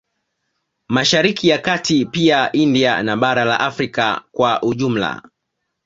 Mashariki ya kati pia India na bara la Afrika kwa Ujumla